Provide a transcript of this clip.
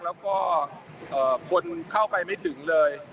แล้วก็คนเข้าไปไม่ถึงเลย